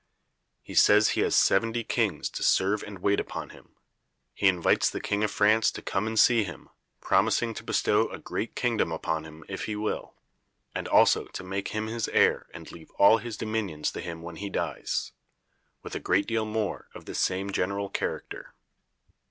He says he has seventy kings to serve and wait upon him. He invites the King of France to come and see him, promising to bestow a great kingdom upon him if he will, and also to make him his heir and leave all his dominions to him when he dies; with a great deal more of the same general character.